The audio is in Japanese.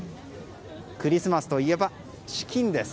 クリスマスといえばチキンです。